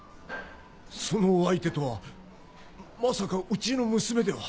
そのお相手とはまさかうちの娘では。